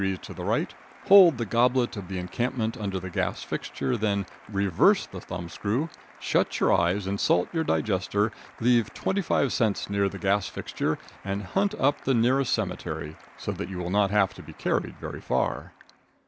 to the right, holding the goblet of the encampment under the gas fixture, then reverse the thumbscrew, shut your eyes, insult your digester, leave twenty five cents near the gas fixture, and hunt up the nearest cemetery, so that you will not have to be carried very far.